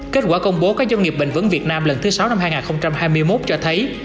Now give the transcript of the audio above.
kết quả công bố các doanh nghiệp bền vững việt nam lần thứ sáu năm hai nghìn hai mươi một cho thấy